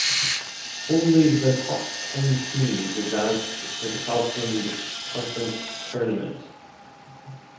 Only the top ten teams advanced to the Southland Conference Tournament.